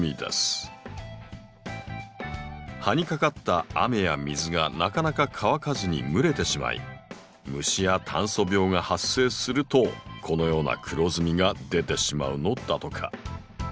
葉にかかった雨や水がなかなか乾かずに蒸れてしまい虫や炭疽病が発生するとこのような黒ずみが出てしまうのだとか。